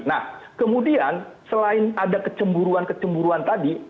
nah kemudian selain ada kecemburuan kecemburuan tadi